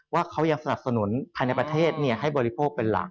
ว่าเขายังสนับสนุนภายในประเทศให้บริโภคเป็นหลัก